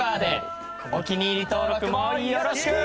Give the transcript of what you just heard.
お気に入り登録もよろしく！